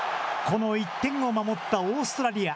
この１点を守ったオーストラリア。